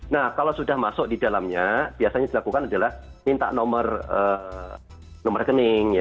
nah kalau sudah masuk di dalamnya biasanya dilakukan adalah minta nomor rekening